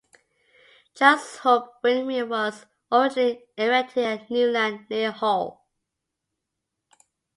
Trusthorpe windmill was originally erected at Newland, near Hull.